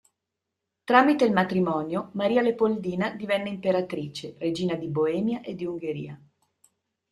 Tramite il matrimonio Maria Leopoldina divenne imperatrice, regina di Boemia e di Ungheria.